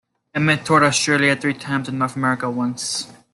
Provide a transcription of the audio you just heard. Emmett toured Australia three times and North America once.